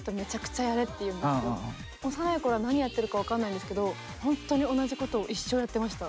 幼い頃は何やってるか分からないんですけどほんとに同じことを一生やってました。